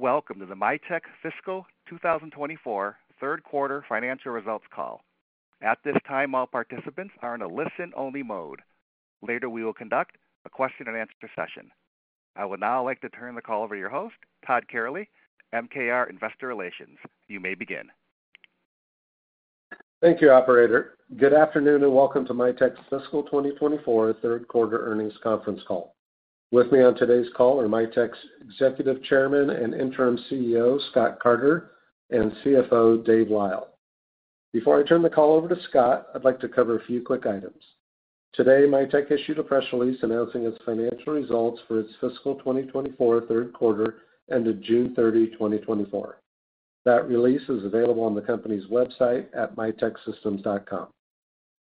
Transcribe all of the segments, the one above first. Welcome to the Mitek Fiscal 2024 third quarter financial results call. At this time, all participants are in a listen-only mode. Later, we will conduct a question-and-answer session. I would now like to turn the call over to your host, Todd Kehrli, MKR Investor Relations. You may begin. Thank you, operator. Good afternoon, and welcome to Mitek's Fiscal 2024 third quarter earnings conference call. With me on today's call are Mitek's Executive Chairman and Interim CEO, Scott Carter, and CFO, Dave Lyle. Before I turn the call over to Scott, I'd like to cover a few quick items. Today, Mitek issued a press release announcing its financial results for its fiscal 2024 third quarter ended June 30, 2024. That release is available on the company's website at miteksystems.com.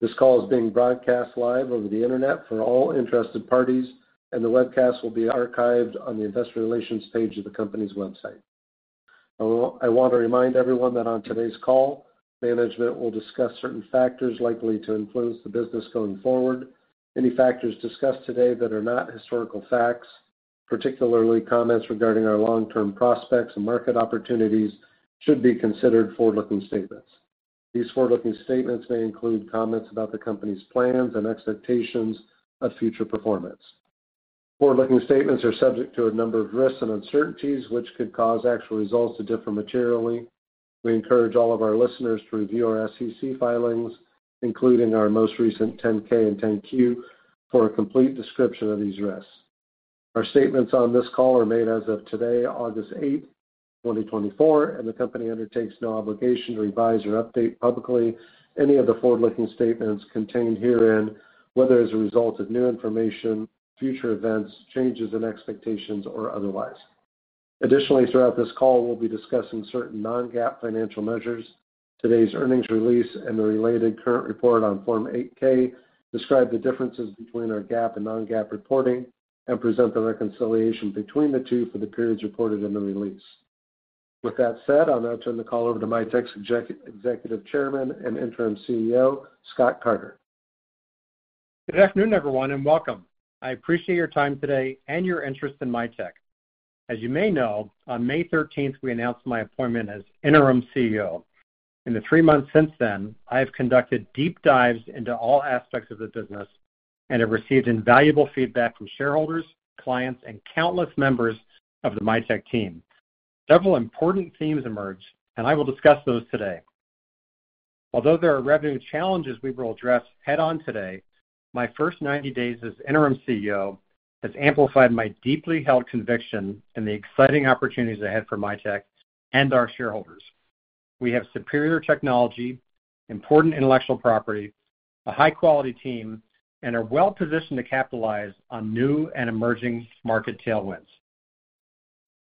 This call is being broadcast live over the internet for all interested parties, and the webcast will be archived on the investor relations page of the company's website. I want to remind everyone that on today's call, management will discuss certain factors likely to influence the business going forward. Any factors discussed today that are not historical facts, particularly comments regarding our long-term prospects and market opportunities, should be considered forward-looking statements. These forward-looking statements may include comments about the company's plans and expectations of future performance. Forward-looking statements are subject to a number of risks and uncertainties, which could cause actual results to differ materially. We encourage all of our listeners to review our SEC filings, including our most recent 10-K and 10-Q, for a complete description of these risks. Our statements on this call are made as of today, August 8, 2024, and the company undertakes no obligation to revise or update publicly any of the forward-looking statements contained herein, whether as a result of new information, future events, changes in expectations, or otherwise. Additionally, throughout this call, we'll be discussing certain non-GAAP financial measures. Today's earnings release and the related current report on Form 8-K describe the differences between our GAAP and non-GAAP reporting and present the reconciliation between the two for the periods reported in the release. With that said, I'll now turn the call over to Mitek's Executive Chairman and Interim CEO, Scott Carter. Good afternoon, everyone, and welcome. I appreciate your time today and your interest in Mitek. As you may know, on May 13, we announced my appointment as interim CEO. In the 3 months since then, I have conducted deep dives into all aspects of the business and have received invaluable feedback from shareholders, clients, and countless members of the Mitek team. Several important themes emerged, and I will discuss those today. Although there are revenue challenges we will address head-on today, my first 90 days as interim CEO has amplified my deeply held conviction in the exciting opportunities ahead for Mitek and our shareholders. We have superior technology, important intellectual property, a high-quality team, and are well-positioned to capitalize on new and emerging market tailwinds.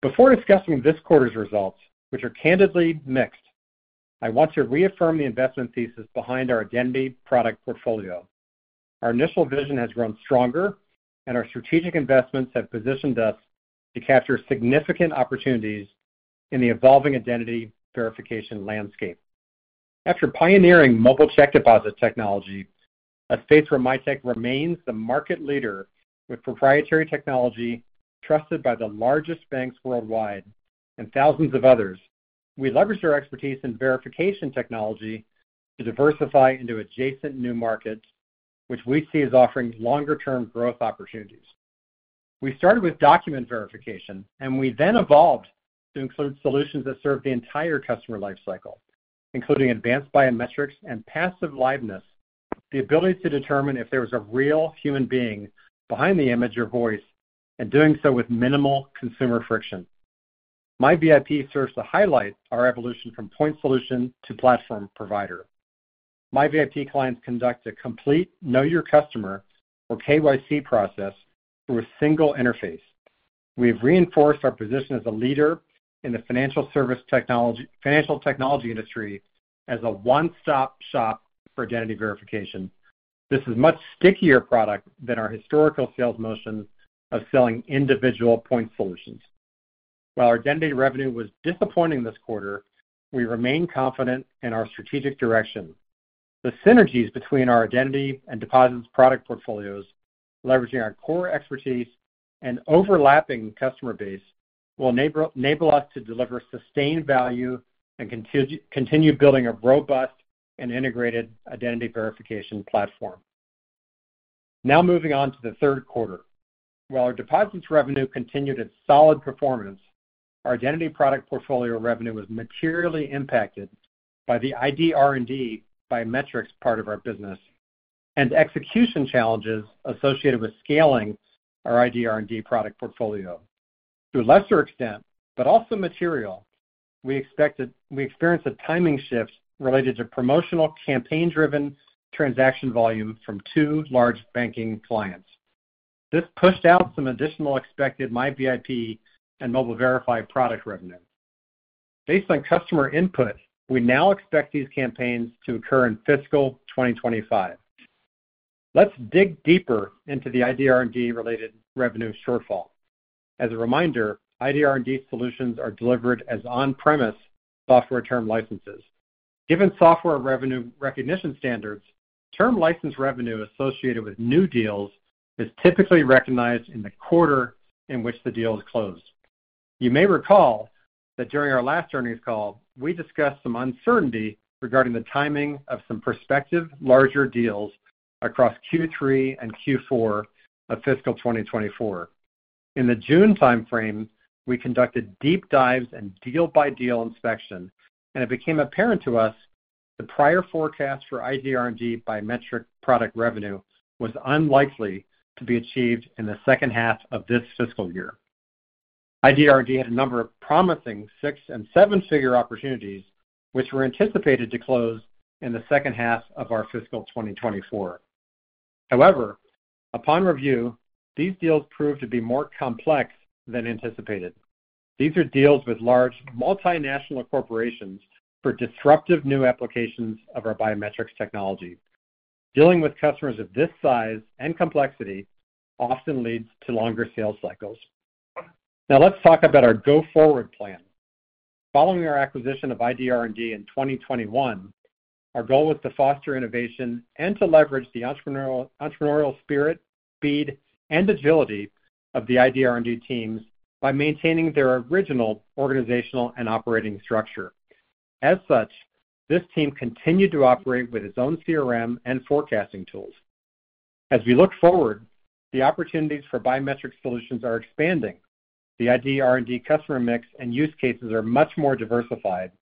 Before discussing this quarter's results, which are candidly mixed, I want to reaffirm the investment thesis behind our identity product portfolio. Our initial vision has grown stronger, and our strategic investments have positioned us to capture significant opportunities in the evolving identity verification landscape. After pioneering mobile check deposit technology, a space where Mitek remains the market leader with proprietary technology trusted by the largest banks worldwide and thousands of others, we leveraged our expertise in verification technology to diversify into adjacent new markets, which we see as offering longer-term growth opportunities. We started with document verification, and we then evolved to include solutions that serve the entire customer life cycle, including advanced biometrics and passive liveness, the ability to determine if there is a real human being behind the image or voice, and doing so with minimal consumer friction. MiVIP serves to highlight our evolution from point solution to platform provider. MiVIP clients conduct a complete Know Your Customer, or KYC, process through a single interface. We've reinforced our position as a leader in the financial service technology- financial technology industry as a one-stop shop for identity verification. This is a much stickier product than our historical sales motions of selling individual point solutions. While our identity revenue was disappointing this quarter, we remain confident in our strategic direction. The synergies between our identity and deposits product portfolios, leveraging our core expertise and overlapping customer base, will enable us to deliver sustained value and continue building a robust and integrated identity verification platform. Now moving on to the third quarter. While our deposits revenue continued its solid performance, our identity product portfolio revenue was materially impacted by the ID R&D biometrics part of our business and execution challenges associated with scaling our ID R&D product portfolio. To a lesser extent, but also material, we expected—we experienced a timing shift related to promotional campaign-driven transaction volume from two large banking clients. This pushed out some additional expected MiVIP and Mobile Verify product revenue. Based on customer input, we now expect these campaigns to occur in fiscal 2025. Let's dig deeper into the ID R&D-related revenue shortfall. As a reminder, ID R&D solutions are delivered as on-premise software term licenses.... Given software revenue recognition standards, term license revenue associated with new deals is typically recognized in the quarter in which the deal is closed. You may recall that during our last earnings call, we discussed some uncertainty regarding the timing of some prospective larger deals across Q3 and Q4 of fiscal 2024. In the June time frame, we conducted deep dives and deal-by-deal inspection, and it became apparent to us the prior forecast for ID R&D biometric product revenue was unlikely to be achieved in the second half of this fiscal year. ID R&D had a number of promising six and seven-figure opportunities, which were anticipated to close in the second half of our fiscal 2024. However, upon review, these deals proved to be more complex than anticipated. These are deals with large multinational corporations for disruptive new applications of our biometrics technology. Dealing with customers of this size and complexity often leads to longer sales cycles. Now, let's talk about our go-forward plan. Following our acquisition of ID R&D in 2021, our goal was to foster innovation and to leverage the entrepreneurial, entrepreneurial spirit, speed, and agility of the ID R&D teams by maintaining their original organizational and operating structure. As such, this team continued to operate with its own CRM and forecasting tools. As we look forward, the opportunities for biometric solutions are expanding. The ID R&D customer mix and use cases are much more diversified,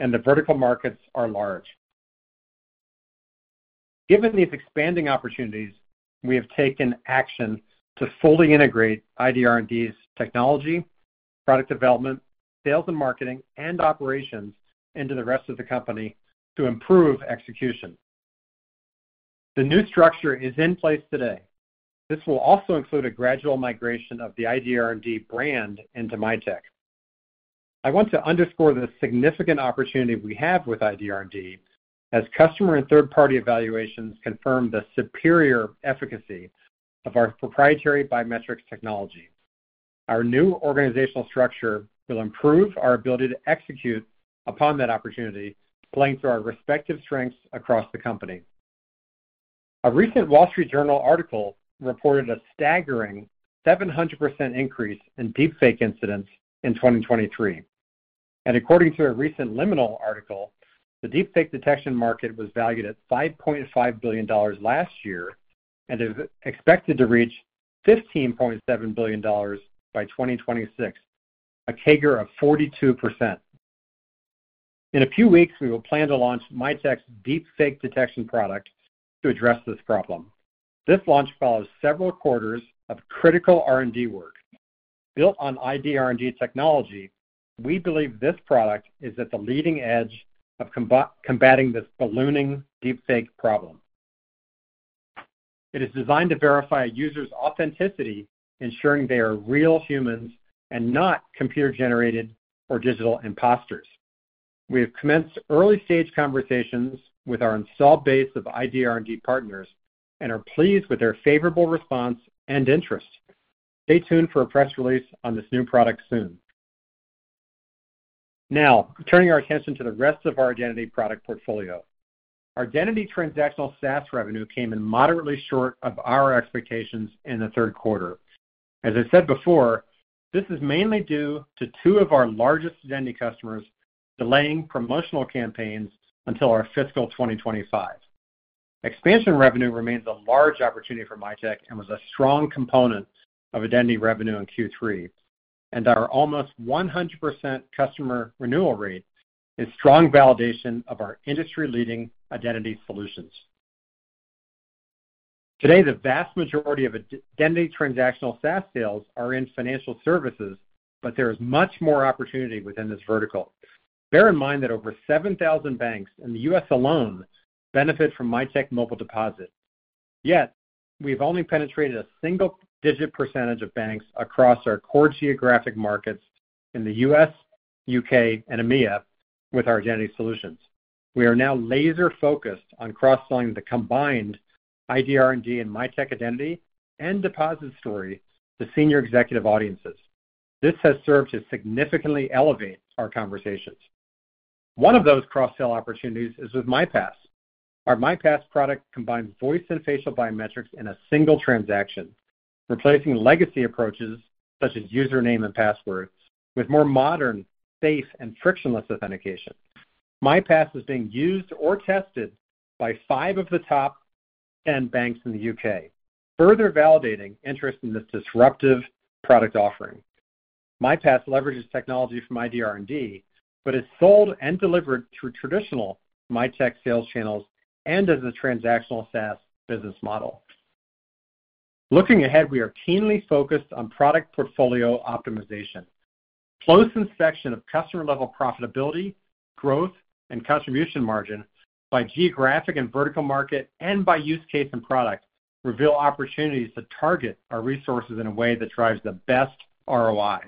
and the vertical markets are large. Given these expanding opportunities, we have taken action to fully integrate ID R&D's technology, product development, sales and marketing, and operations into the rest of the company to improve execution. The new structure is in place today. This will also include a gradual migration of the ID R&D brand into Mitek. I want to underscore the significant opportunity we have with ID R&D as customer and third-party evaluations confirm the superior efficacy of our proprietary biometrics technology. Our new organizational structure will improve our ability to execute upon that opportunity, playing to our respective strengths across the company. A recent The Wall Street Journal article reported a staggering 700% increase in deepfake incidents in 2023. According to a recent Liminal article, the deepfake detection market was valued at $5.5 billion last year and is expected to reach $15.7 billion by 2026, a CAGR of 42%. In a few weeks, we will plan to launch Mitek's deepfake detection product to address this problem. This launch follows several quarters of critical R&D work. Built on ID R&D technology, we believe this product is at the leading edge of combating this ballooning deepfake problem. It is designed to verify a user's authenticity, ensuring they are real humans and not computer-generated or digital imposters. We have commenced early-stage conversations with our installed base of ID R&D partners and are pleased with their favorable response and interest. Stay tuned for a press release on this new product soon. Now, turning our attention to the rest of our Identity product portfolio. Identity transactional SaaS revenue came in moderately short of our expectations in the third quarter. As I said before, this is mainly due to two of our largest Identity customers delaying promotional campaigns until our fiscal 2025. Expansion revenue remains a large opportunity for Mitek and was a strong component of Identity revenue in Q3, and our almost 100% customer renewal rate is strong validation of our industry-leading identity solutions. Today, the vast majority of Identity transactional SaaS sales are in financial services, but there is much more opportunity within this vertical. Bear in mind that over 7,000 banks in the U.S. alone benefit from Mitek Mobile Deposit. Yet, we've only penetrated a single-digit % of banks across our core geographic markets in the U.S., U.K., and EMEA with our Identity solutions. We are now laser-focused on cross-selling the combined ID R&D and Mitek Identity and deposit story to senior executive audiences. This has served to significantly elevate our conversations. One of those cross-sell opportunities is with MiPass. Our MiPass product combines voice and facial biometrics in a single transaction, replacing legacy approaches such as username and passwords, with more modern, safe, and frictionless authentication. MiPass is being used or tested by five of the top 10 banks in the U.K., further validating interest in this disruptive product offering. MiPass leverages technology from ID R&D, but is sold and delivered through traditional Mitek sales channels and as a transactional SaaS business model. Looking ahead, we are keenly focused on product portfolio optimization. Close inspection of customer-level profitability, growth, and contribution margin by geographic and vertical market and by use case and product, reveal opportunities to target our resources in a way that drives the best ROI.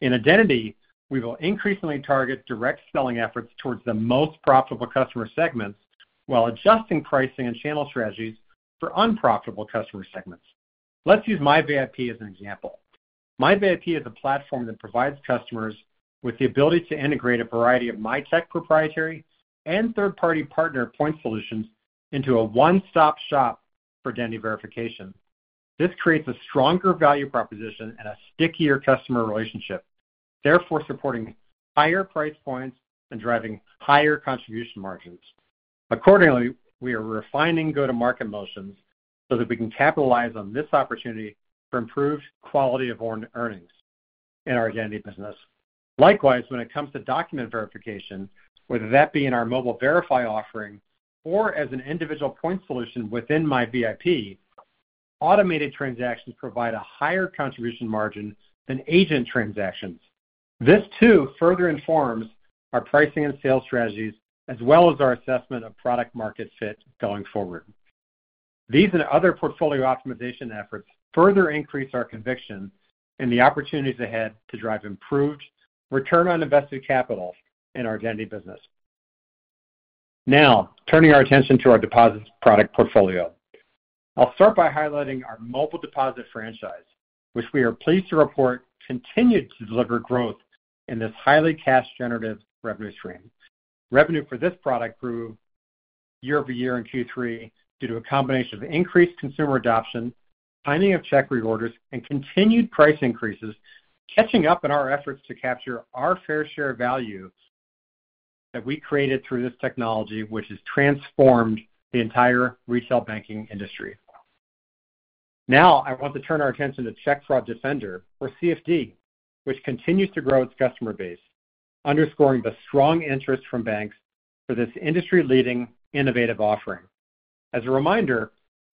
In Identity, we will increasingly target direct selling efforts towards the most profitable customer segments, while adjusting pricing and channel strategies for unprofitable customer segments. Let's use MiVIP as an example. MiVIP is a platform that provides customers with the ability to integrate a variety of Mitek proprietary and third-party partner point solutions into a one-stop shop for identity verification. This creates a stronger value proposition and a stickier customer relationship, therefore supporting higher price points and driving higher contribution margins. Accordingly, we are refining go-to-market motions so that we can capitalize on this opportunity for improved quality of earned earnings in our identity business. Likewise, when it comes to document verification, whether that be in our Mobile Verify offering or as an individual point solution within MiVIP, automated transactions provide a higher contribution margin than agent transactions. This, too, further informs our pricing and sales strategies, as well as our assessment of product market fit going forward. These and other portfolio optimization efforts further increase our conviction in the opportunities ahead to drive improved return on invested capital in our identity business. Now, turning our attention to our deposits product portfolio. I'll start by highlighting our Mobile Deposit franchise, which we are pleased to report continued to deliver growth in this highly cash-generative revenue stream. Revenue for this product grew year-over-year in Q3 due to a combination of increased consumer adoption, timing of check reorders, and continued price increases, catching up in our efforts to capture our fair share of value that we created through this technology, which has transformed the entire retail banking industry. Now, I want to turn our attention to Check Fraud Defender, or CFD, which continues to grow its customer base, underscoring the strong interest from banks for this industry-leading innovative offering. As a reminder,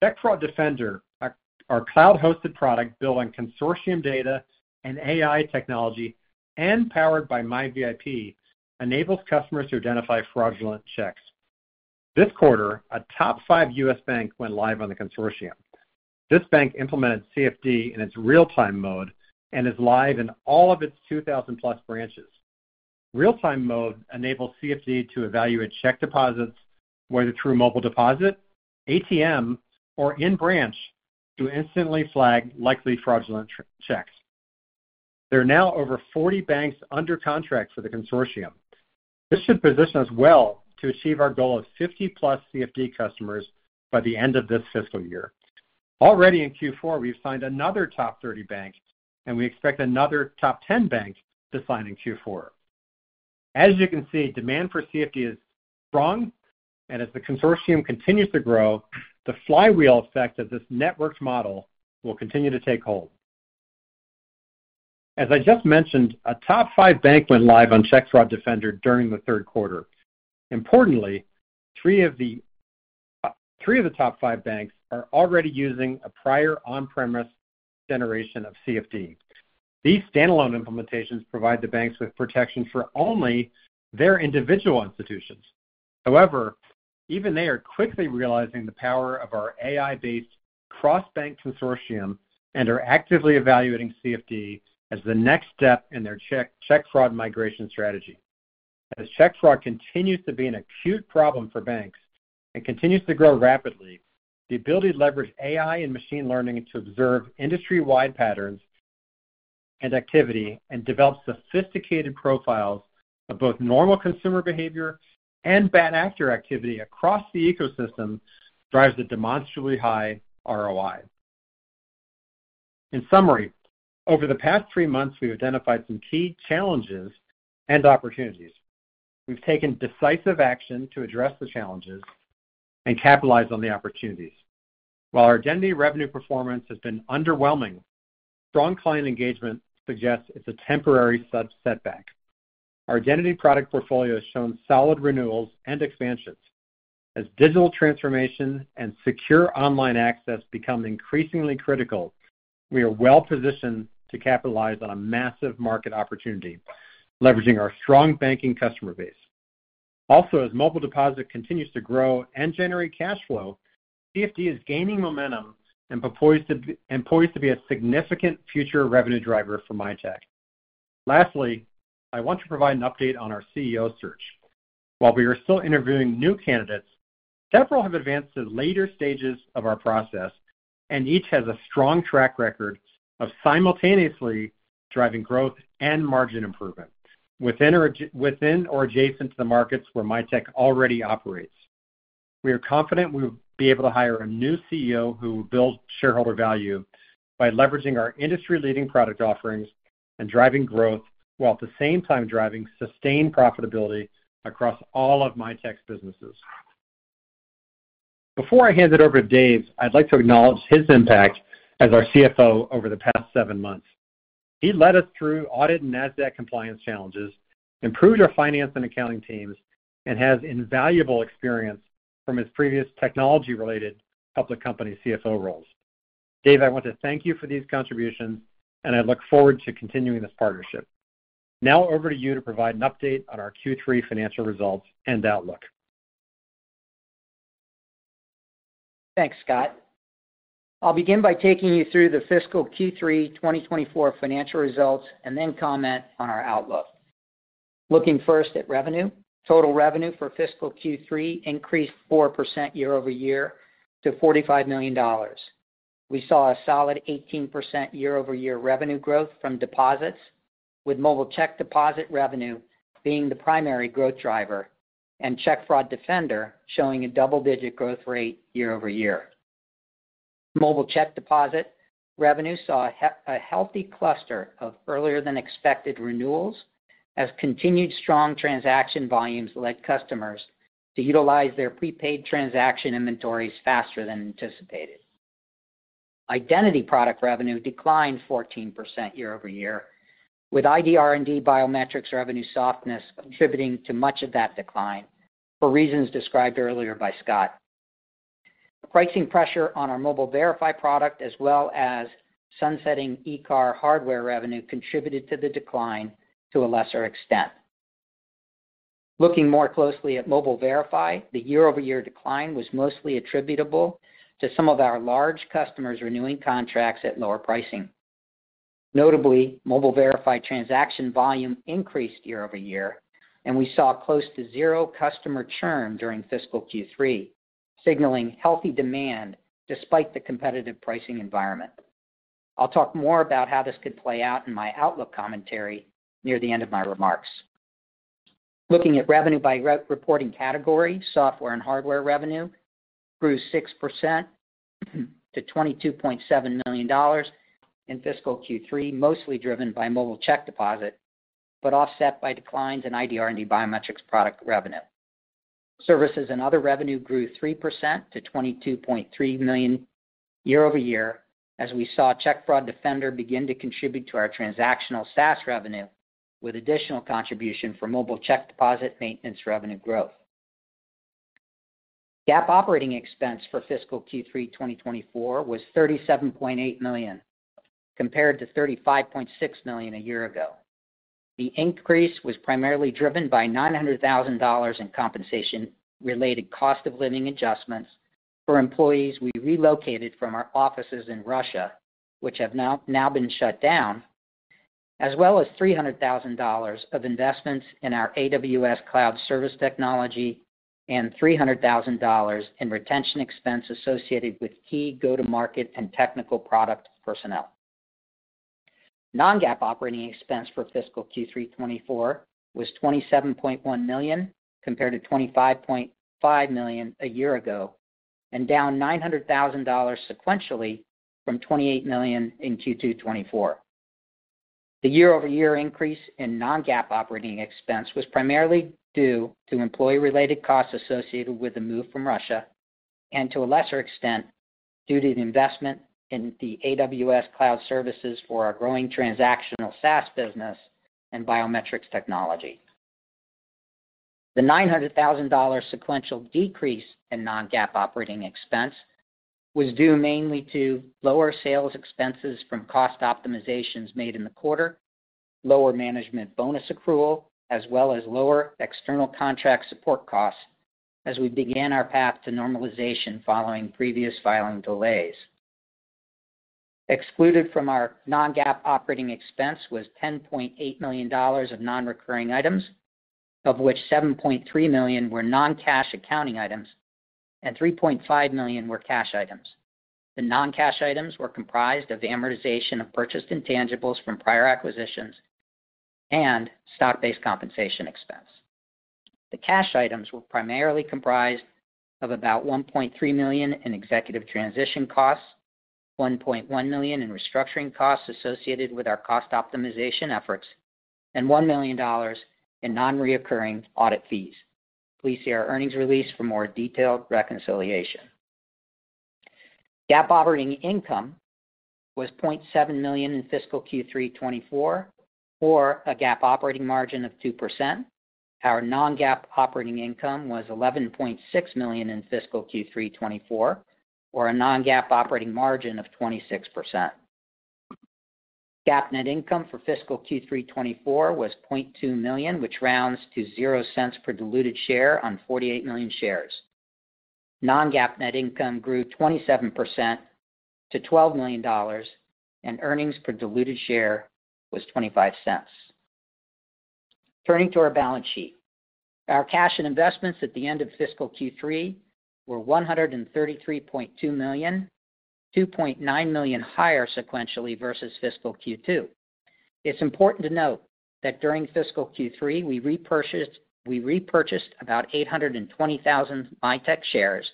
Check Fraud Defender, our cloud-hosted product, built on consortium data and AI technology and powered by MiVIP, enables customers to identify fraudulent checks. This quarter, a top five U.S. bank went live on the consortium. This bank implemented CFD in its real-time mode and is live in all of its 2,000-plus branches. Real-time mode enables CFD to evaluate check deposits, whether through Mobile Deposit, ATM, or in-branch, to instantly flag likely fraudulent checks. There are now over 40 banks under contract for the consortium. This should position us well to achieve our goal of 50+ CFD customers by the end of this fiscal year. Already in Q4, we've signed another top 30 bank, and we expect another top 10 bank to sign in Q4. As you can see, demand for CFD is strong, and as the consortium continues to grow, the flywheel effect of this networked model will continue to take hold. As I just mentioned, a top 5 bank went live on Check Fraud Defender during the third quarter. Importantly, three of the top 5 banks are already using a prior on-premise generation of CFD. These standalone implementations provide the banks with protection for only their individual institutions. However, even they are quickly realizing the power of our AI-based cross-bank consortium and are actively evaluating CFD as the next step in their check fraud migration strategy. As check fraud continues to be an acute problem for banks and continues to grow rapidly, the ability to leverage AI and machine learning to observe industry-wide patterns and activity and develop sophisticated profiles of both normal consumer behavior and bad actor activity across the ecosystem drives a demonstrably high ROI. In summary, over the past three months, we've identified some key challenges and opportunities. We've taken decisive action to address the challenges and capitalize on the opportunities. While our identity revenue performance has been underwhelming, strong client engagement suggests it's a temporary setback. Our identity product portfolio has shown solid renewals and expansions. As digital transformation and secure online access become increasingly critical, we are well positioned to capitalize on a massive market opportunity, leveraging our strong banking customer base. Also, as Mobile Deposit continues to grow and generate cash flow, CFD is gaining momentum and is poised to be a significant future revenue driver for Mitek. Lastly, I want to provide an update on our CEO search. While we are still interviewing new candidates, several have advanced to later stages of our process, and each has a strong track record of simultaneously driving growth and margin improvement within or adjacent to the markets where Mitek already operates. We are confident we will be able to hire a new CEO who will build shareholder value by leveraging our industry-leading product offerings and driving growth, while at the same time driving sustained profitability across all of Mitek's businesses. Before I hand it over to Dave, I'd like to acknowledge his impact as our CFO over the past seven months. He led us through audit and Nasdaq compliance challenges, improved our finance and accounting teams, and has invaluable experience from his previous technology-related public company CFO roles. Dave, I want to thank you for these contributions, and I look forward to continuing this partnership. Now over to you to provide an update on our Q3 financial results and outlook. Thanks, Scott. I'll begin by taking you through the fiscal Q3 2024 financial results and then comment on our outlook. Looking first at revenue. Total revenue for fiscal Q3 increased 4% year-over-year to $45 million. We saw a solid 18% year-over-year revenue growth from deposits, with mobile check deposit revenue being the primary growth driver and Check Fraud Defender showing a double-digit growth rate year-over-year. Mobile check deposit revenue saw a healthy cluster of earlier than expected renewals as continued strong transaction volumes led customers to utilize their prepaid transaction inventories faster than anticipated. Identity product revenue declined 14% year-over-year, with ID R&D biometrics revenue softness contributing to much of that decline for reasons described earlier by Scott. Pricing pressure on our Mobile Verify product, as well as sunsetting ICAR hardware revenue, contributed to the decline to a lesser extent. Looking more closely at Mobile Verify, the year-over-year decline was mostly attributable to some of our large customers renewing contracts at lower pricing. Notably, Mobile Verify transaction volume increased year-over-year, and we saw close to zero customer churn during fiscal Q3, signaling healthy demand despite the competitive pricing environment. I'll talk more about how this could play out in my outlook commentary near the end of my remarks. Looking at revenue by reporting category, software and hardware revenue grew 6% to $22.7 million in fiscal Q3, mostly driven by Mobile Deposit, but offset by declines in ID R&D and biometrics product revenue. Services and other revenue grew 3% to $22.3 million year-over-year, as we saw Check Fraud Defender begin to contribute to our transactional SaaS revenue, with additional contribution from mobile check deposit maintenance revenue growth. GAAP operating expense for fiscal Q3 2024 was $37.8 million, compared to $35.6 million a year ago. The increase was primarily driven by $900,000 in compensation-related cost of living adjustments for employees we relocated from our offices in Russia, which have now been shut down, as well as $300,000 of investments in our AWS cloud service technology and $300,000 in retention expense associated with key go-to-market and technical product personnel. Non-GAAP operating expense for fiscal Q3 2024 was $27.1 million, compared to $25.5 million a year ago, and down $900,000 sequentially from $28 million in Q2 2024. The year-over-year increase in non-GAAP operating expense was primarily due to employee-related costs associated with the move from Russia and, to a lesser extent, due to the investment in the AWS Cloud Services for our growing transactional SaaS business and biometrics technology. The $900,000 sequential decrease in non-GAAP operating expense was due mainly to lower sales expenses from cost optimizations made in the quarter, lower management bonus accrual, as well as lower external contract support costs as we began our path to normalization following previous filing delays. Excluded from our non-GAAP operating expense was $10.8 million of non-recurring items, of which $7.3 million were non-cash accounting items and $3.5 million were cash items. The non-cash items were comprised of amortization of purchased intangibles from prior acquisitions and stock-based compensation expense. The cash items were primarily comprised of about $1.3 million in executive transition costs, $1.1 million in restructuring costs associated with our cost optimization efforts, and $1 million in non-recurring audit fees. Please see our earnings release for more detailed reconciliation. GAAP operating income was $0.7 million in fiscal Q3 2024, or a GAAP operating margin of 2%. Our non-GAAP operating income was $11.6 million in fiscal Q3 2024, or a non-GAAP operating margin of 26%. GAAP net income for fiscal Q3 2024 was $0.2 million, which rounds to $0.00 per diluted share on 48 million shares. Non-GAAP net income grew 27% to $12 million, and earnings per diluted share was $0.25. Turning to our balance sheet. Our cash and investments at the end of fiscal Q3 were $133.2 million, $2.9 million higher sequentially versus fiscal Q2. It's important to note that during fiscal Q3, we repurchased about 820,000 Mitek shares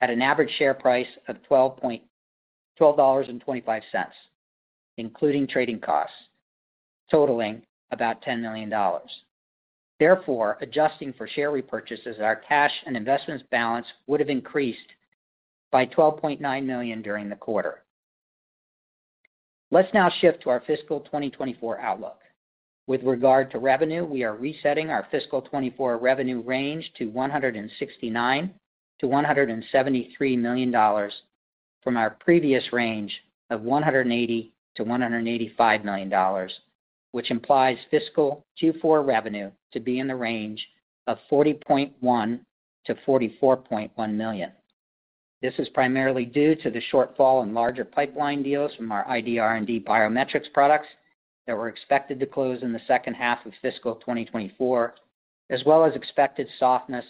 at an average share price of $12.25, including trading costs, totaling about $10 million. Therefore, adjusting for share repurchases, our cash and investments balance would have increased by $12.9 million during the quarter. Let's now shift to our fiscal 2024 outlook. With regard to revenue, we are resetting our fiscal 2024 revenue range to $169 million-$173 million from our previous range of $180 million-$185 million, which implies fiscal Q4 revenue to be in the range of $40.1 million-$44.1 million. This is primarily due to the shortfall in larger pipeline deals from our ID R&D biometrics products that were expected to close in the second half of fiscal 2024, as well as expected softness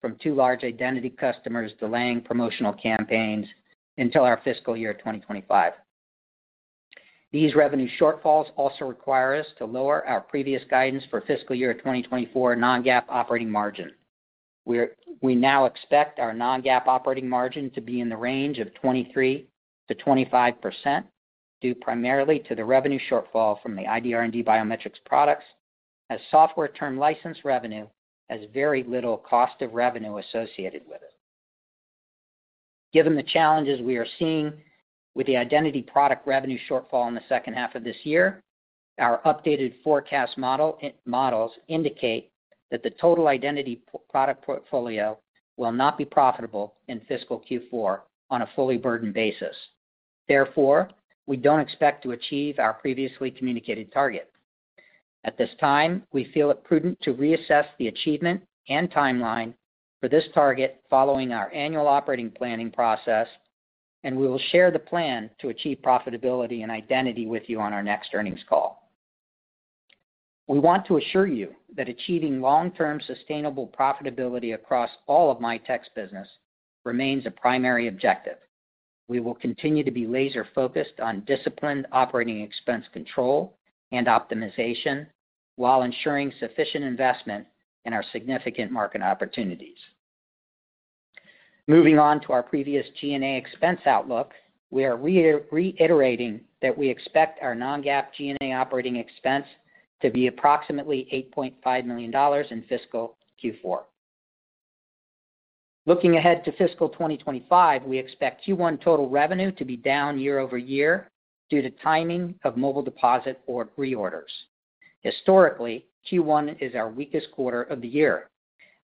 from two large identity customers delaying promotional campaigns until our fiscal year 2025. These revenue shortfalls also require us to lower our previous guidance for fiscal year 2024 non-GAAP operating margin. We now expect our non-GAAP operating margin to be in the range of 23%-25%, due primarily to the revenue shortfall from the ID R&D biometrics products, as software term license revenue has very little cost of revenue associated with it. Given the challenges we are seeing with the identity product revenue shortfall in the second half of this year, our updated forecast models indicate that the total identity product portfolio will not be profitable in fiscal Q4 on a fully burdened basis. Therefore, we don't expect to achieve our previously communicated target. At this time, we feel it prudent to reassess the achievement and timeline for this target following our annual operating planning process, and we will share the plan to achieve profitability and identity with you on our next earnings call. We want to assure you that achieving long-term, sustainable profitability across all of Mitek's business remains a primary objective. We will continue to be laser focused on disciplined operating expense control and optimization, while ensuring sufficient investment in our significant market opportunities. Moving on to our previous G&A expense outlook, we are reiterating that we expect our non-GAAP G&A operating expense to be approximately $8.5 million in fiscal Q4. Looking ahead to fiscal 2025, we expect Q1 total revenue to be down year-over-year due to timing of Mobile Deposit or reorders. Historically, Q1 is our weakest quarter of the year.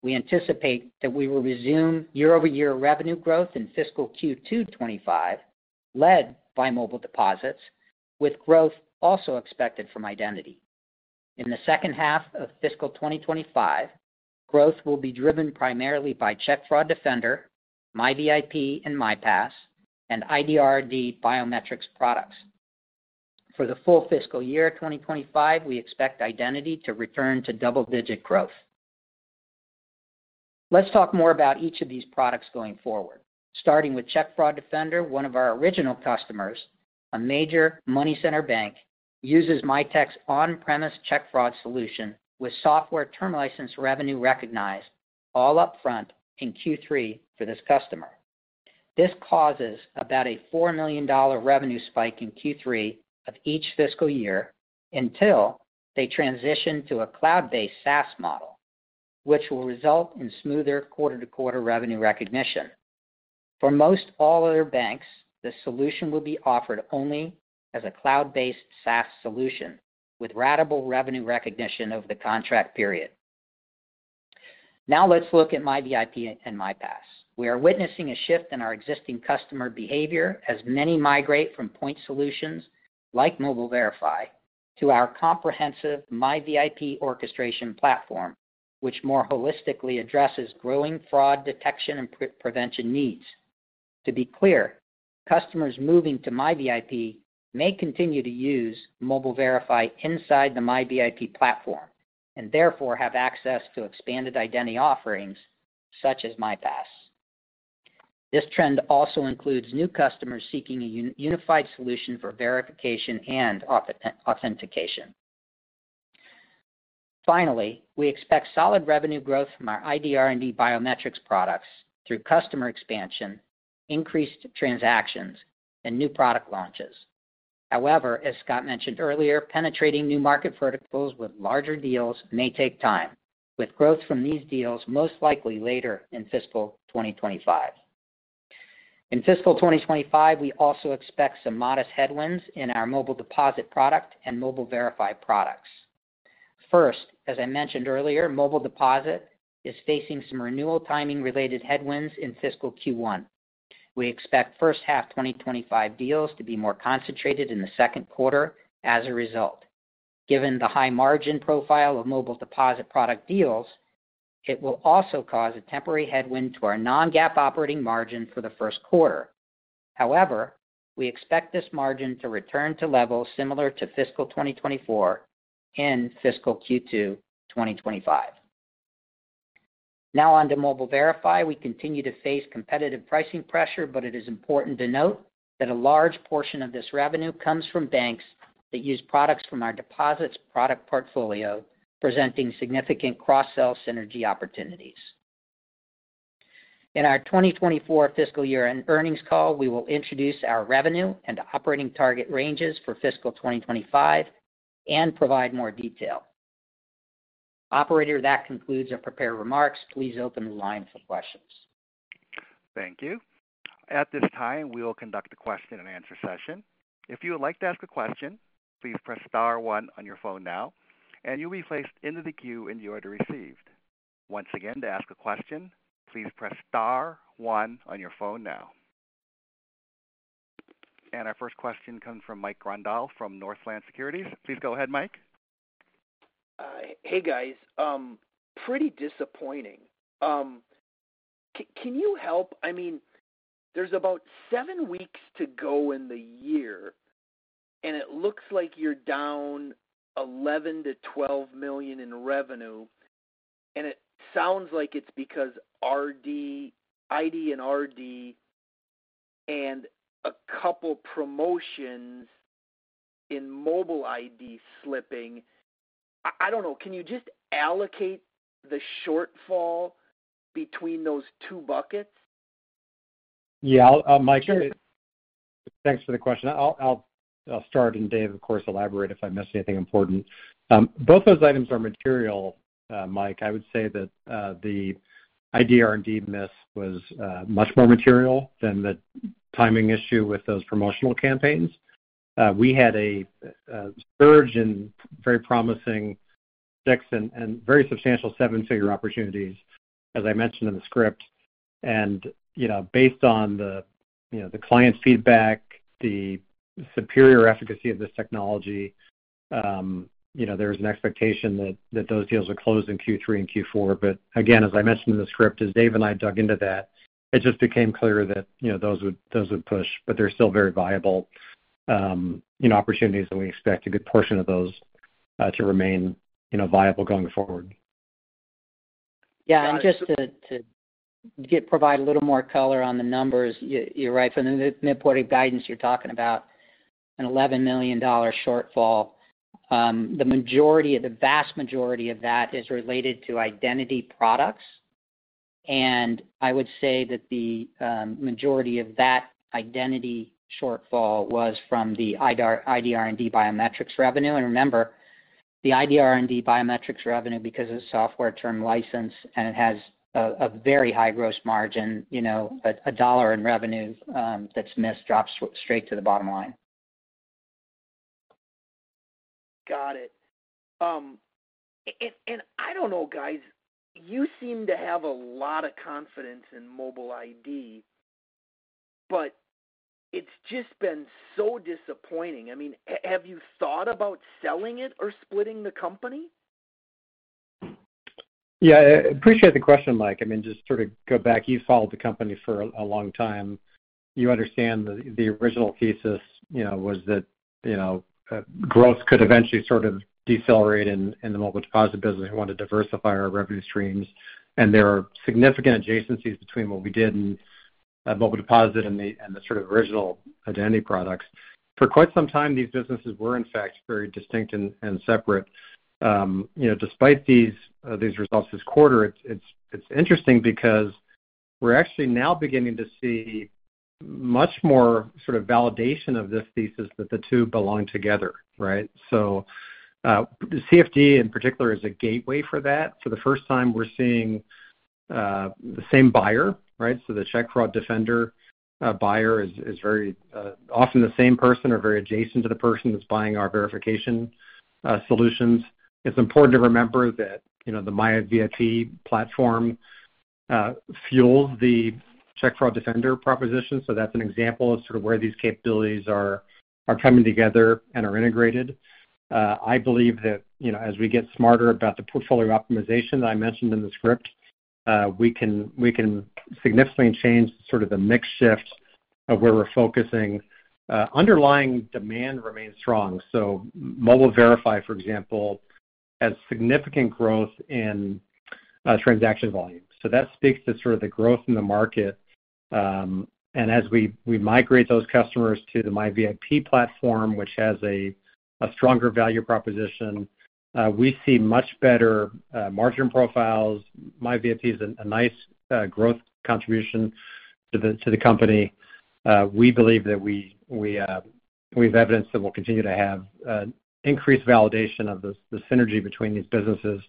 We anticipate that we will resume year-over-year revenue growth in fiscal Q2 2025, led by Mobile Deposits, with growth also expected from identity. In the second half of fiscal 2025, growth will be driven primarily by Check Fraud Defender, MiVIP and MiPass, and ID R&D biometrics products. For the full fiscal year of 2025, we expect identity to return to double-digit growth. Let's talk more about each of these products going forward, starting with Check Fraud Defender. One of our original customers, a major money center bank, uses Mitek's on-premise check fraud solution, with software term license revenue recognized all upfront in Q3 for this customer. This causes about a $4 million revenue spike in Q3 of each fiscal year until they transition to a cloud-based SaaS model, which will result in smoother quarter-to-quarter revenue recognition. For most all other banks, the solution will be offered only as a cloud-based SaaS solution, with ratable revenue recognition over the contract period. Now let's look at MiVIP and MiPass. We are witnessing a shift in our existing customer behavior as many migrate from point solutions like Mobile Verify to our comprehensive MiVIP orchestration platform, which more holistically addresses growing fraud detection and pre-prevention needs. To be clear, customers moving to MiVIP may continue to use Mobile Verify inside the MiVIP platform, and therefore have access to expanded identity offerings such as MiPass. This trend also includes new customers seeking a unified solution for verification and authentication. Finally, we expect solid revenue growth from our ID R&D biometrics products through customer expansion, increased transactions, and new product launches. However, as Scott mentioned earlier, penetrating new market verticals with larger deals may take time, with growth from these deals most likely later in fiscal 2025. In fiscal 2025, we also expect some modest headwinds in our Mobile Deposit product and Mobile Verify products. First, as I mentioned earlier, Mobile Deposit is facing some renewal timing related headwinds in fiscal Q1. We expect first half 2025 deals to be more concentrated in the second quarter as a result. Given the high margin profile of Mobile Deposit product deals, it will also cause a temporary headwind to our non-GAAP operating margin for the first quarter. However, we expect this margin to return to levels similar to fiscal 2024 in fiscal Q2 2025. Now on to Mobile Verify. We continue to face competitive pricing pressure, but it is important to note that a large portion of this revenue comes from banks that use products from our deposits product portfolio, presenting significant cross-sell synergy opportunities. In our 2024 fiscal year and earnings call, we will introduce our revenue and operating target ranges for fiscal 2025 and provide more detail. Operator, that concludes our prepared remarks. Please open the line for questions. Thank you. At this time, we will conduct a question-and-answer session. If you would like to ask a question, please press star one on your phone now and you'll be placed into the queue in the order received. Once again, to ask a question, please press star one on your phone now. ...And our first question comes from Mike Grondahl from Northland Securities. Please go ahead, Mike. Hey, guys. Pretty disappointing. Can you help—I mean, there's about seven weeks to go in the year, and it looks like you're down $11-$12 million in revenue, and it sounds like it's because ID R&D and a couple promotions in Mobile ID slipping. I don't know, can you just allocate the shortfall between those two buckets? Yeah, I'll Mike, thanks for the question. I'll start, and Dave, of course, elaborate if I miss anything important. Both those items are material, Mike. I would say that the ID R&D miss was much more material than the timing issue with those promotional campaigns. We had a surge in very promising six- and very substantial seven-figure opportunities, as I mentioned in the script. And, you know, based on the, you know, the client's feedback, the superior efficacy of this technology, you know, there's an expectation that those deals would close in Q3 and Q4. But again, as I mentioned in the script, as Dave and I dug into that, it just became clear that, you know, those would, those would push, but they're still very viable, you know, opportunities, and we expect a good portion of those to remain, you know, viable going forward. Yeah, and just to provide a little more color on the numbers, you're right. From the midpoint of guidance, you're talking about an $11 million shortfall. The majority, the vast majority of that is related to identity products. And I would say that the majority of that identity shortfall was from the ID R&D biometrics revenue. And remember, the ID R&D biometrics revenue, because it's software term license, and it has a very high gross margin, you know, $1 in revenue, that's missed drops straight to the bottom line. Got it. And, and I don't know, guys, you seem to have a lot of confidence in Mobile ID, but it's just been so disappointing. I mean, have you thought about selling it or splitting the company? Yeah, I appreciate the question, Mike. I mean, just to sort of go back, you've followed the company for a long time. You understand the original thesis, you know, was that, you know, growth could eventually sort of decelerate in the Mobile Deposit business. We want to diversify our revenue streams, and there are significant adjacencies between what we did in Mobile Deposit and the sort of original identity products. For quite some time, these businesses were, in fact, very distinct and separate. You know, despite these results this quarter, it's interesting because we're actually now beginning to see much more sort of validation of this thesis that the two belong together, right? So, CFD, in particular, is a gateway for that. For the first time, we're seeing the same buyer, right? So the Check Fraud Defender buyer is very often the same person or very adjacent to the person that's buying our verification solutions. It's important to remember that, you know, the MiVIP platform fuels the Check Fraud Defender proposition. So that's an example of sort of where these capabilities are coming together and are integrated. I believe that, you know, as we get smarter about the portfolio optimization that I mentioned in the script, we can significantly change sort of the mix shift of where we're focusing. Underlying demand remains strong. So Mobile Verify, for example, has significant growth in transaction volume. So that speaks to sort of the growth in the market. As we migrate those customers to the MiVIP platform, which has a stronger value proposition, we see much better margin profiles. MiVIP is a nice growth contribution to the company. We believe that we've evidenced that we'll continue to have increased validation of the synergy between these businesses.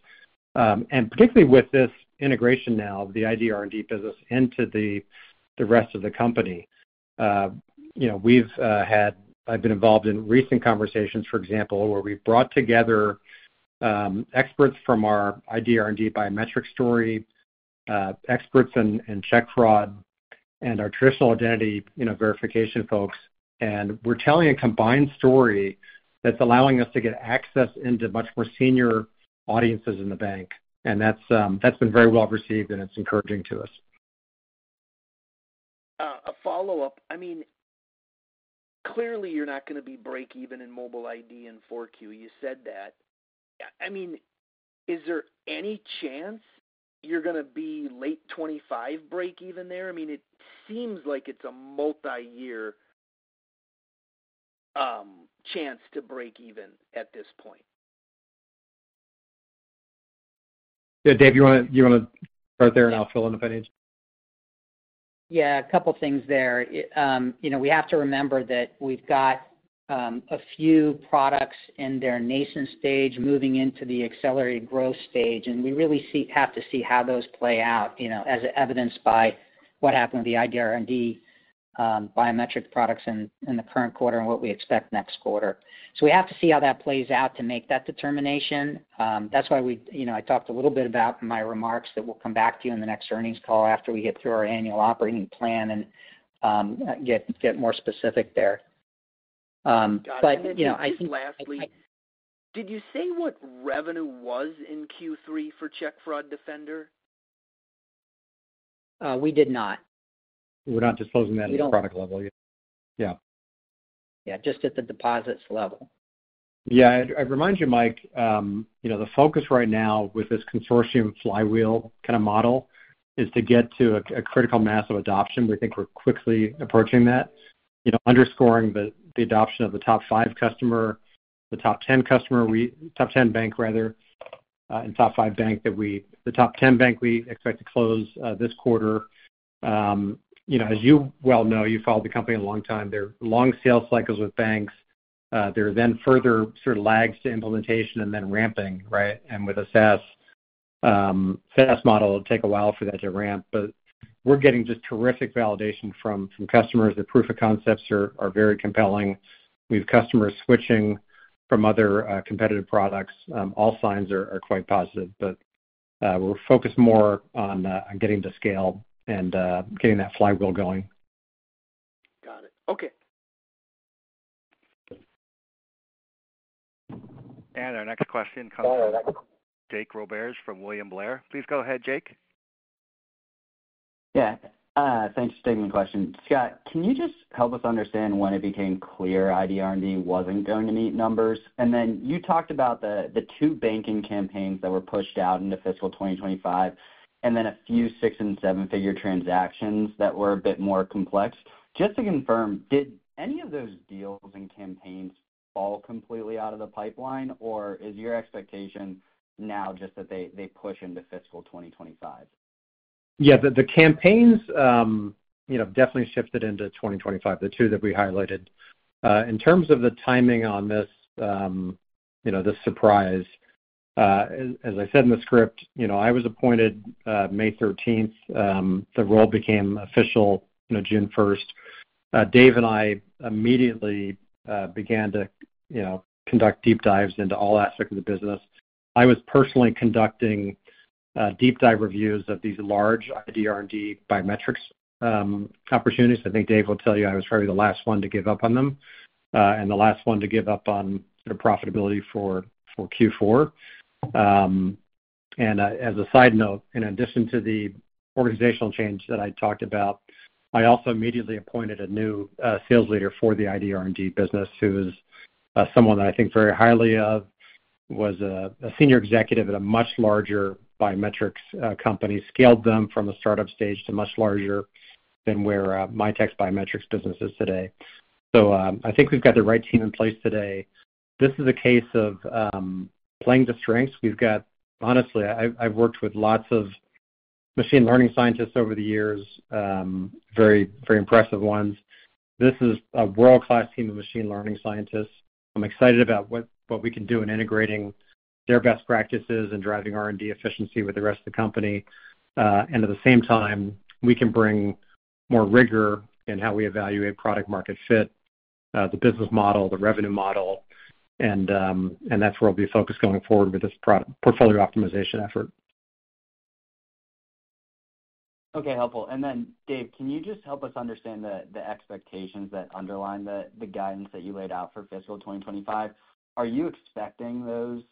And particularly with this integration now, the ID R&D business into the rest of the company. You know, we've had... I've been involved in recent conversations, for example, where we've brought together experts from our ID R&D biometrics story, experts in check fraud and our traditional identity, you know, verification folks. We're telling a combined story that's allowing us to get access into much more senior audiences in the bank, and that's been very well received, and it's encouraging to us. A follow-up. I mean, clearly, you're not gonna be break even in Mobile ID in 4Q. You said that. I mean, is there any chance you're gonna be late 2025, break even there? I mean, it seems like it's a multi-year chance to break even at this point. Yeah, Dave, you wanna, you wanna start there, and I'll fill in if I need to. Yeah, a couple of things there. You know, we have to remember that we've got a few products in their nascent stage moving into the accelerated growth stage, and we really have to see how those play out, you know, as evidenced by what happened with the ID R&D biometric products in the current quarter and what we expect next quarter. So we have to see how that plays out to make that determination. That's why we, you know, I talked a little bit about in my remarks that we'll come back to you in the next earnings call after we get through our annual operating plan and get more specific there. ... but, you know, I think- Just lastly, did you say what revenue was in Q3 for Check Fraud Defender? We did not. We're not disclosing that at a product level yet. Yeah. Yeah, just at the deposits level. Yeah. I'd remind you, Mike, you know, the focus right now with this consortium flywheel kind of model is to get to a critical mass of adoption. We think we're quickly approaching that. You know, underscoring the adoption of the top 5 customer, the top 10 customer, we—top 10 bank rather, and top 5 bank that we... The top 10 bank, we expect to close this quarter. You know, as you well know, you've followed the company a long time, there are long sales cycles with banks. There are then further sort of lags to implementation and then ramping, right? And with a SaaS, SaaS model, it'll take a while for that to ramp. But we're getting just terrific validation from customers. The proof of concepts are very compelling. We have customers switching from other competitive products. All signs are quite positive, but we're focused more on getting to scale and getting that flywheel going. Got it. Okay. Our next question comes from Jake Roberts from William Blair. Please go ahead, Jake. Yeah. Thanks for taking the question. Scott, can you just help us understand when it became clear ID R&D wasn't going to meet numbers? And then you talked about the two banking campaigns that were pushed out into fiscal 2025, and then a few six- and seven-figure transactions that were a bit more complex. Just to confirm, did any of those deals and campaigns fall completely out of the pipeline, or is your expectation now just that they push into fiscal 2025? Yeah, the campaigns, you know, definitely shifted into 2025, the two that we highlighted. In terms of the timing on this, you know, this surprise, as I said in the script, you know, I was appointed May 13. The role became official, you know, June 1. Dave and I immediately began to, you know, conduct deep dives into all aspects of the business. I was personally conducting deep dive reviews of these large ID R&D biometrics opportunities. I think Dave will tell you, I was probably the last one to give up on them, and the last one to give up on the profitability for Q4. And, as a side note, in addition to the organizational change that I talked about, I also immediately appointed a new sales leader for the ID. R&D business, who is someone that I think very highly of. Was a senior executive at a much larger biometrics company, scaled them from a startup stage to much larger than where Mitek's biometrics business is today. So, I think we've got the right team in place today. This is a case of playing to strengths. We've got, honestly, I've worked with lots of machine learning scientists over the years, very, very impressive ones. This is a world-class team of machine learning scientists. I'm excited about what we can do in integrating their best practices and driving R&D efficiency with the rest of the company. And at the same time, we can bring more rigor in how we evaluate product market fit, the business model, the revenue model, and that's where we'll be focused going forward with this portfolio optimization effort. Okay, helpful. And then, Dave, can you just help us understand the expectations that underline the guidance that you laid out for fiscal 2025? Are you expecting those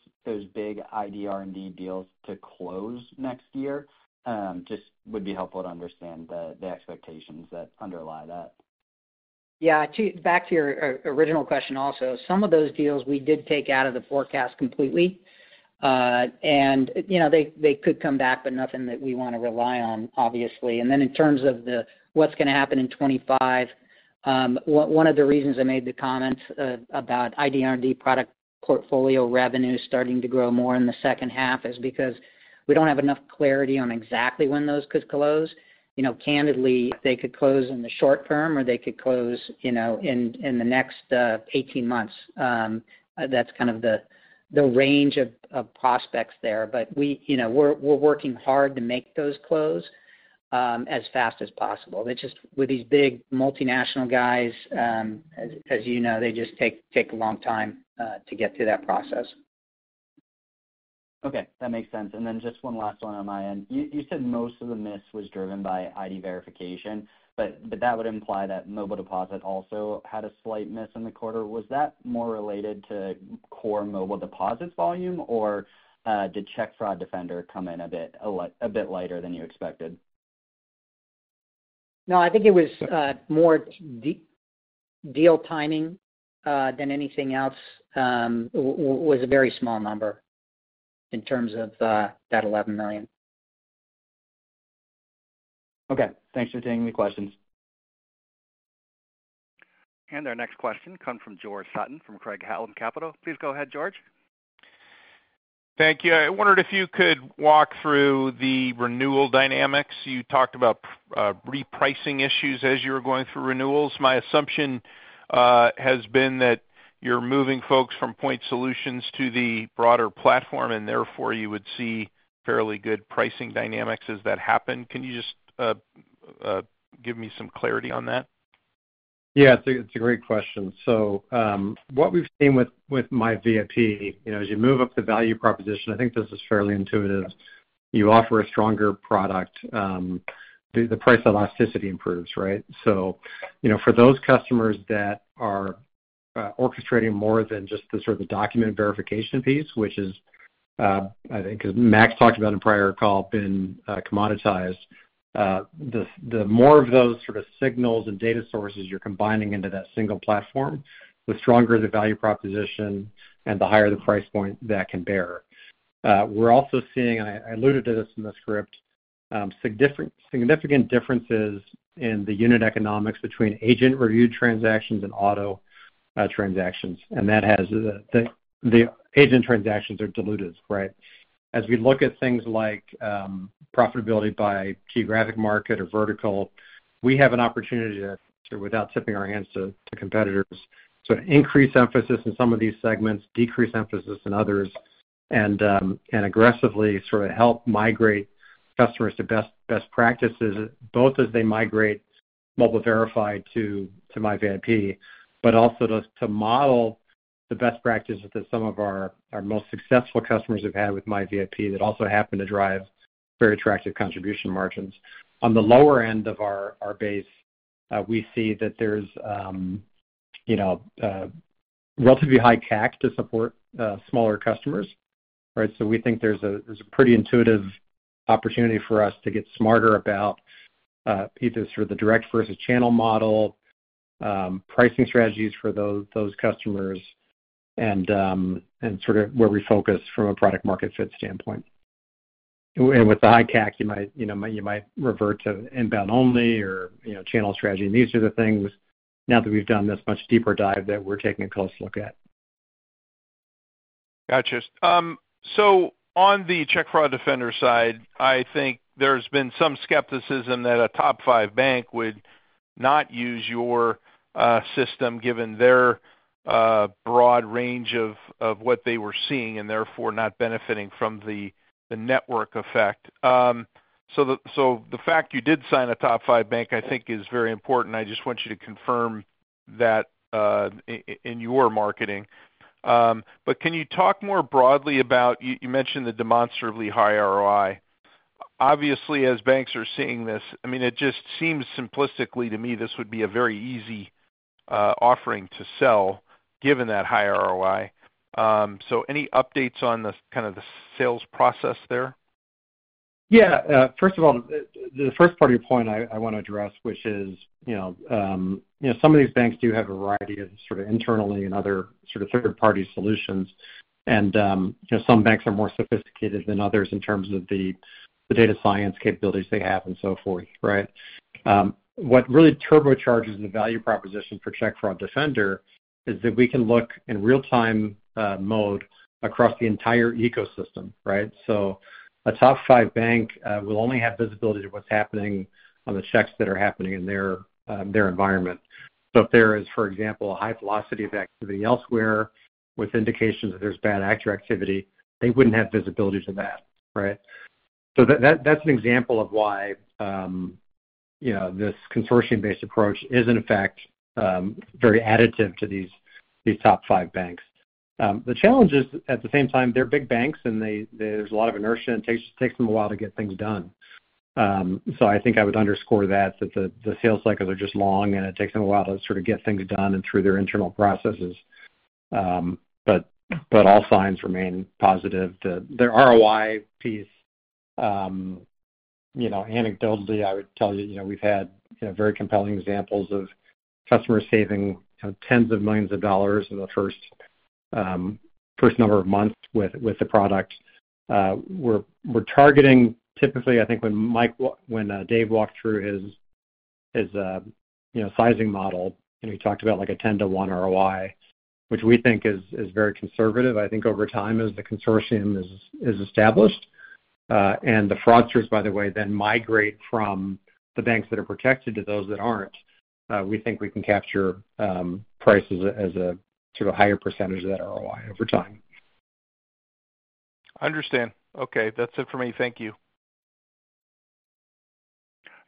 big ID R&D deals to close next year? Just would be helpful to understand the expectations that underlie that. Yeah. Back to your original question also, some of those deals we did take out of the forecast completely. And, you know, they could come back, but nothing that we want to rely on, obviously. And then in terms of what's gonna happen in 2025, one of the reasons I made the comments about ID R&D product portfolio revenue starting to grow more in the second half is because we don't have enough clarity on exactly when those could close. You know, candidly, they could close in the short term, or they could close, you know, in the next 18 months. That's kind of the range of prospects there. But you know, we're working hard to make those close as fast as possible. It's just with these big multinational guys, as you know, they just take a long time to get through that process. Okay, that makes sense. And then just one last one on my end. You said most of the miss was driven by ID verification, but that would imply that Mobile Deposit also had a slight miss in the quarter. Was that more related to core Mobile Deposit volume, or did Check Fraud Defender come in a bit lighter than you expected? No, I think it was more deal timing than anything else. It was a very small number in terms of that $11 million. Okay. Thanks for taking the questions. Our next question comes from George Sutton, from Craig-Hallum Capital. Please go ahead, George. Thank you. I wondered if you could walk through the renewal dynamics. You talked about repricing issues as you were going through renewals. My assumption has been that you're moving folks from point solutions to the broader platform, and therefore, you would see fairly good pricing dynamics as that happen. Can you just give me some clarity on that? Yeah, it's a, it's a great question. So, what we've seen with, with MiVIP, you know, as you move up the value proposition, I think this is fairly intuitive.... you offer a stronger product, the price elasticity improves, right? So, you know, for those customers that are orchestrating more than just the sort of document verification piece, which is, I think, as Max talked about in prior call, been commoditized. The more of those sort of signals and data sources you're combining into that single platform, the stronger the value proposition and the higher the price point that can bear. We're also seeing, I alluded to this in the script, significant differences in the unit economics between agent-reviewed transactions and auto transactions. And that has the agent transactions are dilutive, right? As we look at things like, profitability by geographic market or vertical, we have an opportunity to, without tipping our hands to, to competitors, to increase emphasis in some of these segments, decrease emphasis in others, and, and aggressively sort of help migrate customers to best, best practices, both as they migrate Mobile Verify to, to MiVIP, but also to, to model the best practices that some of our, our most successful customers have had with MiVIP, that also happen to drive very attractive contribution margins. On the lower end of our, our base, we see that there's, you know, relatively high CAC to support, smaller customers, right? So we think there's a pretty intuitive opportunity for us to get smarter about either through the direct versus channel model, pricing strategies for those customers, and sort of where we focus from a product market fit standpoint. And with the high CAC, you might, you know, you might revert to inbound only or, you know, channel strategy, and these are the things, now that we've done this much deeper dive, that we're taking a close look at. Gotcha. So on the Check Fraud Defender side, I think there's been some skepticism that a top five bank would not use your system, given their broad range of what they were seeing, and therefore not benefiting from the network effect. So the fact you did sign a top five bank, I think, is very important. I just want you to confirm that in your marketing. But can you talk more broadly about... You mentioned the demonstrably high ROI. Obviously, as banks are seeing this, I mean, it just seems simplistically to me, this would be a very easy offering to sell, given that high ROI. So any updates on the kind of the sales process there? Yeah. First of all, the first part of your point I want to address, which is, you know, you know, some of these banks do have a variety of sort of internally and other sort of third-party solutions. And, you know, some banks are more sophisticated than others in terms of the data science capabilities they have and so forth, right? What really turbocharges the value proposition for Check Fraud Defender is that we can look in real-time mode across the entire ecosystem, right? So a top five bank will only have visibility to what's happening on the checks that are happening in their environment. So if there is, for example, a high velocity of activity elsewhere with indications that there's bad actor activity, they wouldn't have visibility to that, right? So that, that's an example of why, you know, this consortium-based approach is in fact, very additive to these, these top five banks. The challenge is, at the same time, they're big banks, and there's a lot of inertia, and it takes them a while to get things done. So I think I would underscore that the sales cycles are just long, and it takes them a while to sort of get things done and through their internal processes. But all signs remain positive. The ROI piece, you know, anecdotally, I would tell you, you know, we've had, you know, very compelling examples of customers saving, you know, $tens of millions in the first number of months with the product. We're targeting typically, I think when Dave walked through his, you know, sizing model, and he talked about, like, a 10-to-1 ROI, which we think is very conservative. I think over time, as the consortium is established, and the fraudsters, by the way, then migrate from the banks that are protected to those that aren't, we think we can capture prices as a sort of higher percentage of that ROI over time. Understand. Okay, that's it for me. Thank you.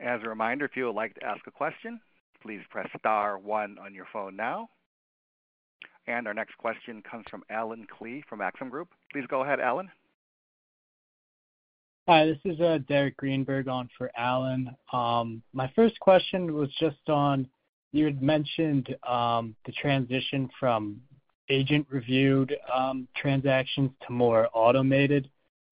As a reminder, if you would like to ask a question, please press star one on your phone now. Our next question comes from Alan Klee from Maxim Group. Please go ahead, Alan. Hi, this is Derek Greenberg on for Alan. My first question was just on, you had mentioned, the transition from agent-reviewed transactions to more automated.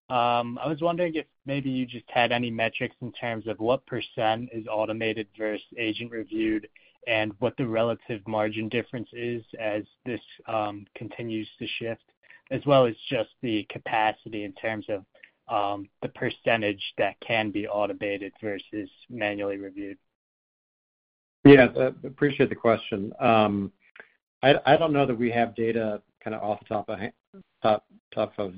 I was wondering if maybe you just had any metrics in terms of what % is automated versus agent-reviewed, and what the relative margin difference is as this continues to shift, as well as just the capacity in terms of the % that can be automated versus manually reviewed. Yeah, appreciate the question. I don't know that we have data kind of off the top of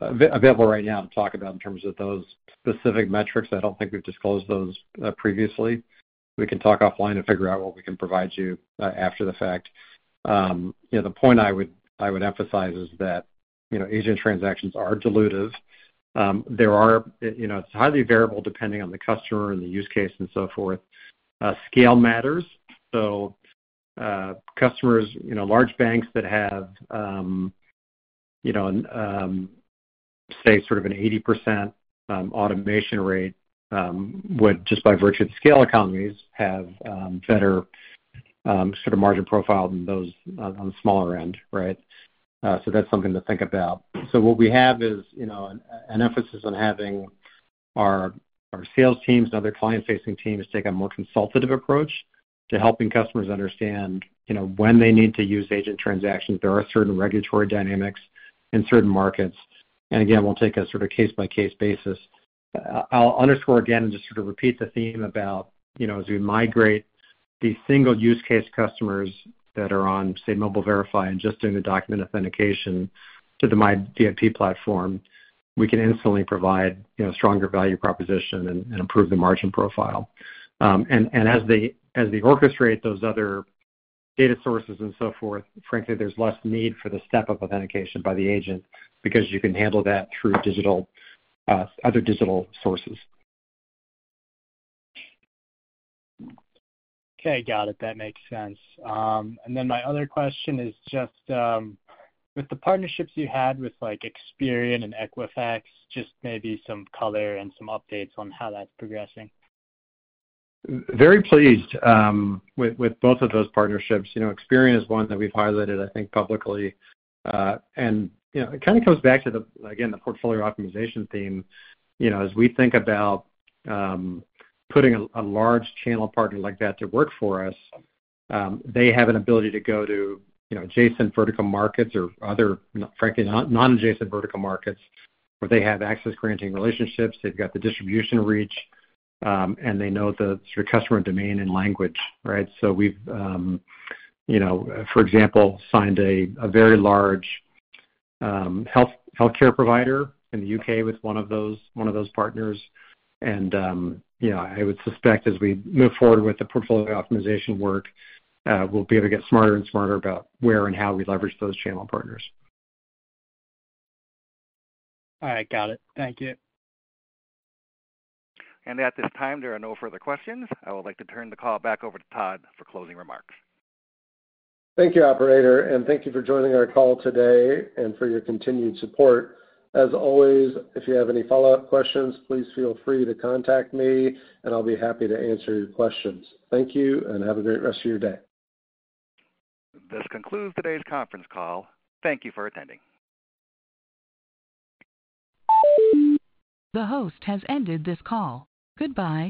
available right now to talk about in terms of those specific metrics. I don't think we've disclosed those previously. We can talk offline and figure out what we can provide you after the fact. You know, the point I would emphasize is that, you know, agent transactions are dilutive. There are, you know, it's highly variable, depending on the customer and the use case and so forth. Scale matters. Customers, you know, large banks that have say, sort of an 80% automation rate would just by virtue of scale economies have better sort of margin profile than those on the smaller end, right? So that's something to think about. So what we have is, you know, an emphasis on having our sales teams and other client-facing teams take a more consultative approach to helping customers understand, you know, when they need to use agent transactions. There are certain regulatory dynamics in certain markets, and again, we'll take a sort of case-by-case basis. I'll underscore again, and just to repeat the theme about, you know, as we migrate these single use case customers that are on, say, Mobile Verify and just doing the document authentication to the MiVIP platform, we can instantly provide, you know, stronger value proposition and improve the margin profile. And as we orchestrate those other data sources and so forth, frankly, there's less need for the step-up authentication by the agent because you can handle that through digital, other digital sources. Okay, got it. That makes sense. Then my other question is just, with the partnerships you had with, like, Experian and Equifax, just maybe some color and some updates on how that's progressing. Very pleased with both of those partnerships. You know, Experian is one that we've highlighted, I think, publicly. And, you know, it kind of comes back to the, again, the portfolio optimization theme. You know, as we think about putting a large channel partner like that to work for us, they have an ability to go to, you know, adjacent vertical markets or other, frankly, non-adjacent vertical markets where they have access granting relationships, they've got the distribution reach, and they know the customer domain and language, right? So we've, you know, for example, signed a very large healthcare provider in the UK with one of those partners. You know, I would suspect as we move forward with the portfolio optimization work, we'll be able to get smarter and smarter about where and how we leverage those channel partners. All right. Got it. Thank you. At this time, there are no further questions. I would like to turn the call back over to Todd for closing remarks. Thank you, operator, and thank you for joining our call today and for your continued support. As always, if you have any follow-up questions, please feel free to contact me, and I'll be happy to answer your questions. Thank you, and have a great rest of your day. This concludes today's conference call. Thank you for attending. The host has ended this call. Goodbye.